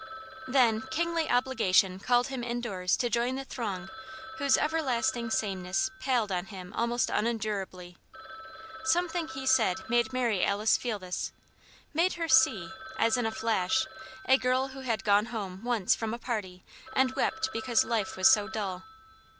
Then, kingly obligation called him indoors to join the throng whose everlasting sameness palled on him almost unendurably. Something he said made Mary Alice feel this made her see, as in a flash, a girl who had gone home, once, from a party and wept because life was so dull.